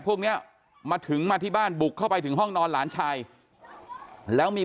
พวกเนี้ยมาถึงมาที่บ้านบุกเข้าไปถึงห้องนอนหลานชายแล้วมี